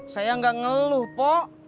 saya gak ngeluh pok